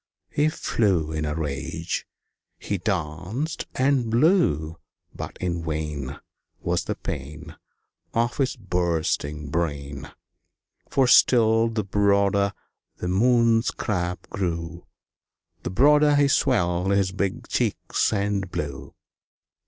He flew in a rage he danced and blew; But in vain Was the pain Of his bursting brain; For still the broader the Moon scrap grew, The broader he swelled his big cheeks and blew.